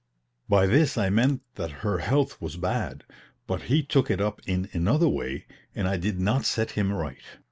By this I meant that her health was bad; but he took it up in another way, and I did not set him right.